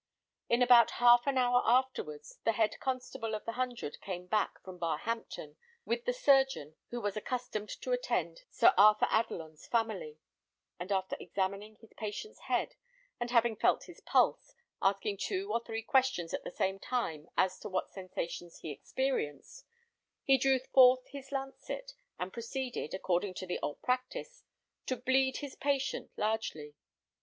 In about half an hour afterwards the head constable of the hundred came back from Barhampton, with the surgeon who was accustomed to attend Sir Arthur Adelon's family; and after examining his patient's head, and having felt his pulse, asking two or three questions at the same time as to what sensations he experienced, he drew forth his lancet, and proceeded, according to the old practice, to bleed his patient largely.